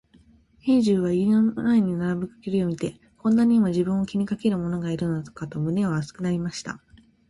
兵十は家の前に並ぶ栗を見て、こんなにも自分を気にかける者がいるのかと胸が熱くなりました。